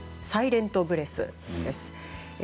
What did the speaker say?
「サイレント・ブレス」です。